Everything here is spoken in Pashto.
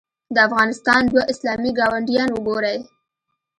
د افغانستان دوه اسلامي ګاونډیان وګورئ.